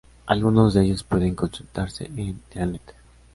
Algunos de ellos pueden consultarse en Dialnet.